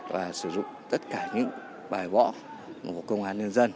và sử dụng tất cả những bài võ của công an nhân dân